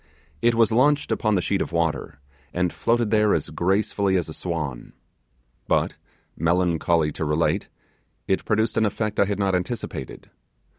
It was launched upon the sheet of water, and floated there as gracefully as a swan. But, melancholy to relate, it produced an effect I had not anticipated.